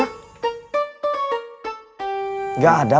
gak ada pak ustadz rw